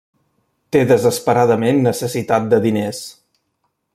Té desesperadament necessitat de diners.